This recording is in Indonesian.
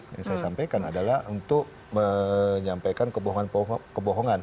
yang saya sampaikan adalah untuk menyampaikan kebohongan